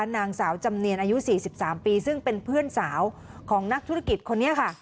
นางสาวจำเนียนอายุ๔๓ปีซึ่งเป็นเพื่อนสาวของนักธุรกิจคนนี้ค่ะ